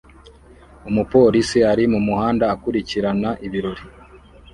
Umupolisi ari mumuhanda akurikirana ibirori